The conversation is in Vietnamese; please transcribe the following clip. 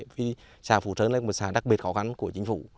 vì xà phú sơn là một xà đặc biệt khó khăn của chính phủ